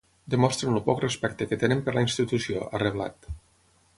Demostren el poc respecte que tenen per la institució, ha reblat.